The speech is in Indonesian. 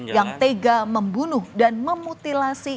yang tega membunuh dan memutilasi